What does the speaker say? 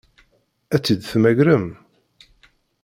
Ad tt-id-temmagrem?